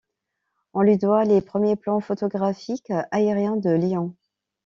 On lui doit les premiers plans photographiques aériens de Lyon.